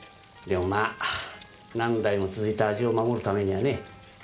でもま何代も続いた味を守るためにはね。